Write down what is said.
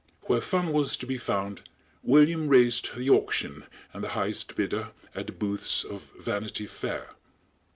Where fun was to be found William raised the auction and the highest bidder at the booths of vanity fair.